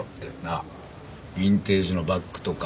あっビンテージのバッグとか？